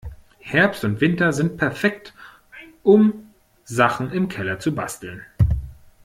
Herbst und Winter sind perfekt, um Sachen im Keller zu basteln.